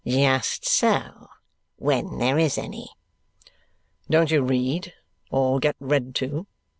"Just so. When there is any." "Don't you read or get read to?"